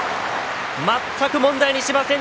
全く問題にしません。